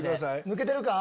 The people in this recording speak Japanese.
抜けてるか？